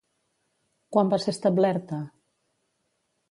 Quan va ser establerta?